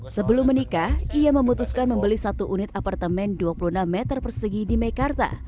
sebelum menikah ia memutuskan membeli satu unit apartemen dua puluh enam meter persegi di meikarta